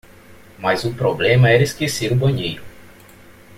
Mas o problema era aquecer o banheiro.